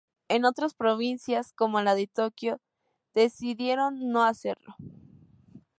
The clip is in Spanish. En otras provincias, como la de Tokio, decidieron no hacerlo.